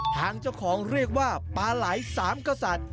ทางเจ้าของเรียกว่าปลาไหลสามกษัตริย์